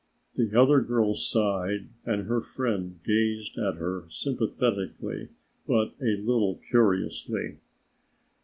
The other girl sighed and her friend gazed at her sympathetically but a little curiously.